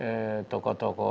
dan umumnya mereka dari toko